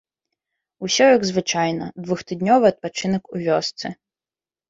Усё як звычайна, двухтыднёвы адпачынак у вёсцы.